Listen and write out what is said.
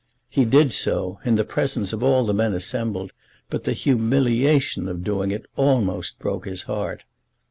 He did so, in the presence of all the men assembled; but the humiliation of doing it almost broke his heart.